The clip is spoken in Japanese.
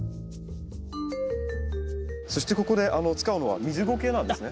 そしてここで使うのは水ゴケなんですね。